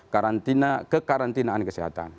karantina kekarantinaan kesehatan